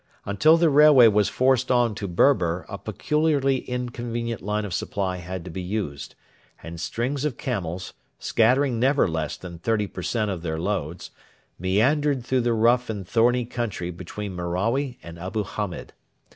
Until the railway was forced on to Berber a peculiarly inconvenient line of supply had to be used; and strings of camels, scattering never less than 30 per cent of their loads, meandered through the rough and thorny country between Merawi and Abu Hamed.